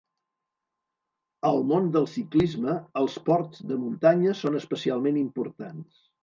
Al món del ciclisme els ports de muntanya són especialment importants.